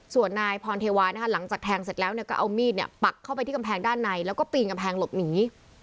ส่วนนายพรเทวานะคะหลังจากแทงเสร็จแล้วก็เอามีดปักเข้าไปที่กำแพงด้านในแล้วก็ปีนกำแพงหลบหนี